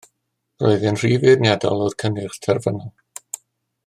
Roedd e'n rhy feirniadol o'r cynnyrch terfynol